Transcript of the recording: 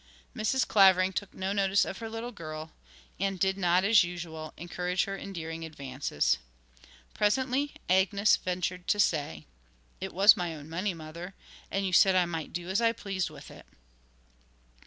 Mrs. Clavering took no notice of her little girl, and did not, as usual, encourage her endearing advances. Presently Agnes ventured to say: 'It was my own money, mother, and you said I might do as I pleased with it.'